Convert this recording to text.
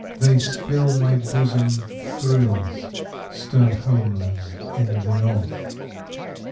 Thy spell my bosom thrills, Stern homeland in the north!